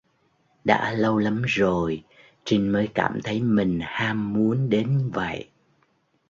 Đã lâu lắm rồi Trinh mới cảm thấy mình ham muốn đến vậy